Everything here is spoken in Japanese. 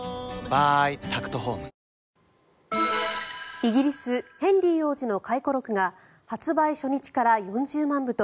イギリス、ヘンリー王子の回顧録が発売初日から４０万部と